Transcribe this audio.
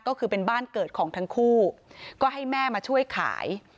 ก็คือเป็นบ้านเกิดของทั้งคู่ก็ให้แม่มาช่วยขาย